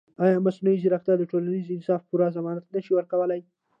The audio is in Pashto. ایا مصنوعي ځیرکتیا د ټولنیز انصاف پوره ضمانت نه شي ورکولی؟